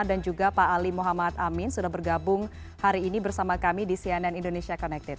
dan juga pak ali muhammad amin sudah bergabung hari ini bersama kami di cnn indonesia connected